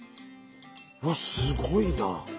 わっすごいな。